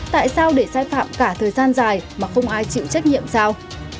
tại sao để sai phạm cả thời gian dài mà không ai chịu trách nhiệm giao